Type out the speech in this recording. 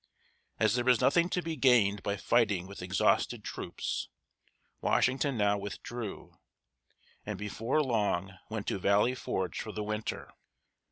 As there was nothing to be gained by fighting with exhausted troops, Washington now withdrew, and before long went to Valley Forge for the winter.